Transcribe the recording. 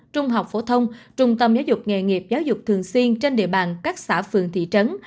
trung học phổ thông trung tâm giáo dục nghề nghiệp giáo dục thường xuyên trên địa bàn các xã phường thị trấn